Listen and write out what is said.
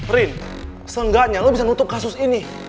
rin seenggaknya lo bisa nutup kasus ini